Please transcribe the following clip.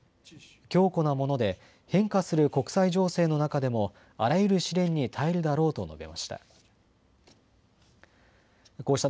強固なもので変化する国際情勢の中でもあらゆる試練に耐えるだろうと述べました。